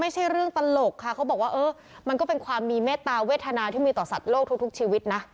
ไม่ใช่เรื่องตลกค่ะเขาบอกว่าเออมันก็เป็นความมีเมตตาเวทนาที่มีต่อสัตว์โลกทุกชีวิตนะ